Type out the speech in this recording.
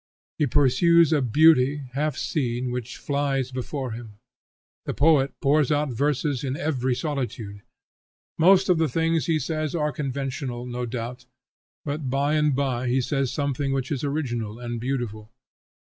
He pursues a beauty, half seen, which flies before him. The poet pours out verses in every solitude. Most of the things he says are conventional, no doubt; but by and by he says something which is original and beautiful.